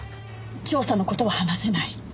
調査の事は話せない。